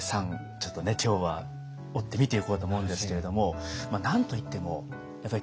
ちょっとね今日は追って見ていこうと思うんですけれども何と言っても今日は黒柳さん